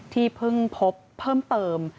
ที่เพิ่งพบเพิ่มเติม